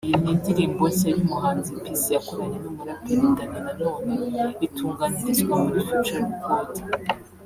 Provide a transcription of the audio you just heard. iyi ni indirimbo nshya y’umuhanzi Peace yakoranye n’umuraperi Dany Nanone itunganyirizwa muri Future record